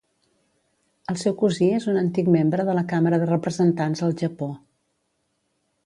El seu cosí és un antic membre de la càmera de representants al Japó.